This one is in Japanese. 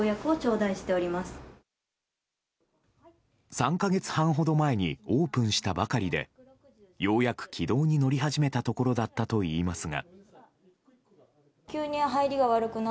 ３か月半ほど前にオープンしたばかりでようやく軌道に乗り始めたところだったといいますが。